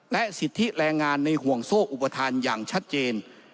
และสิทธิแรงงานในห่วงโซ่อุปทานอย่างชัดเจน